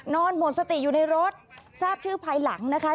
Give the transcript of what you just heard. หมดสติอยู่ในรถทราบชื่อภายหลังนะคะ